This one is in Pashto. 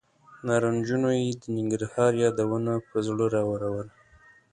نارنجونو یې د ننګرهار یادونه پر زړه راورول.